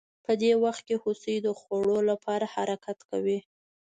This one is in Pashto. په دې وخت کې هوسۍ د خوړو لپاره حرکت کوي